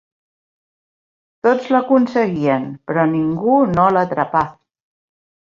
Tots l'aconseguien, però ningú no l'atrapà.